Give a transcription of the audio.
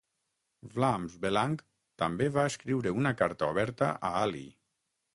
Vlaams Belang també va escriure una carta oberta a Ali.